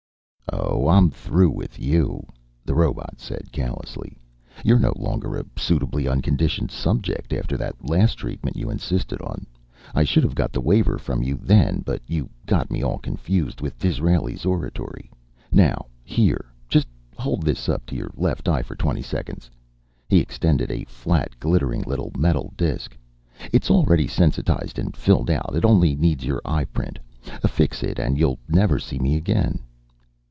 "Oh, I'm through with you," the robot said callously. "You're no longer a suitably unconditioned subject, after that last treatment you insisted on. I should have got the waiver from you then, but you got me all confused with Disraeli's oratory. Now here. Just hold this up to your left eye for twenty seconds." He extended a flat, glittering little metal disk. "It's already sensitized and filled out. It only needs your eyeprint. Affix it, and you'll never see me again."